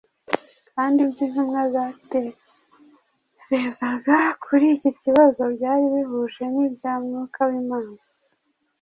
kandi ibyo intumwa zaterezaga kuri iki kibazo byari bihuje n’ibya Mwuka w’Imana.